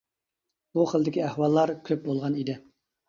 بۇ خىلدىكى ئەھۋاللار كۆپ بولغان ئىدى.